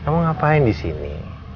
kamu ngapain di sini